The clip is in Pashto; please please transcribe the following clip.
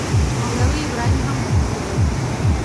مولوي ابراهیم هم ښوونکی وو.